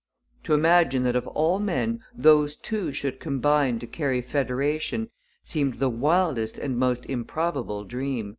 ' To imagine that of all men those two should combine to carry federation seemed the wildest and most improbable dream.